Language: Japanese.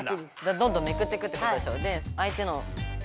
どんどんめくってくってことでしょ？で